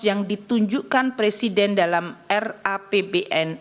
yang ditunjukkan presiden dalam rapbn